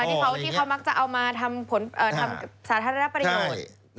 ที่เขามักจะเอามาทำสาธารณะประโยชน์